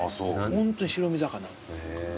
ホントに白身魚。